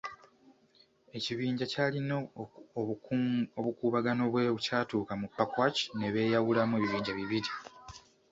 Ekibinja kyalina obukuubagano bwe kyatuuka mu Pakwach ne beeyawulamu ebibinja bibiri.